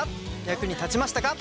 役に立ちましたか？